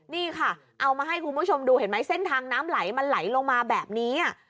นี่ค่ะเอามาให้คุณผู้ชมดูเห็นไหมเส้นทางน้ำไหลมันไหลลงมาแบบนี้